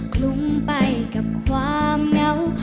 คลุ้งไปกับความเหงา